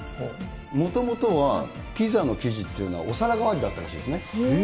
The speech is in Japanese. もともとはピザの生地っていうのは、お皿代わりだったらしいですね。